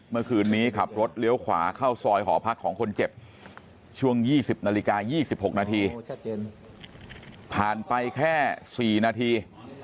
เมื่อคืนนี้ขับรถเลี้ยวขวาเข้าซอยหอพักของคนเจ็บช่วง๒๐นาฬิกา๒๖นาทีผ่านไปแค่๔นาที